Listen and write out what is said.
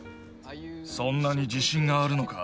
そんなに自信があるのか？